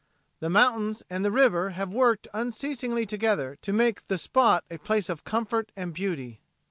The mountains and the river have worked unceasingly together to make the spot a place of comfort and beauty.